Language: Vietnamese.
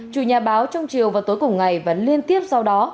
chủ nhà báo trong chiều và tối cùng ngày và liên tiếp sau đó